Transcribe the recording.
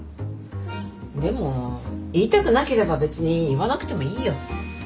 でも言いたくなければ別に言わなくてもいいよ。